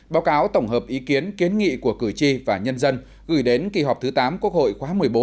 báo cáo tổng hợp ý kiến kiến nghị của cử tri và nhân dân gửi đến kỳ họp thứ tám quốc hội khóa một mươi bốn